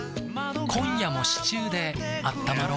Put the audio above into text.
今夜もシチューであったまろう。